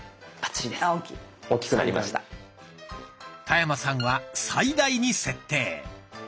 田山さんは「最大」に設定。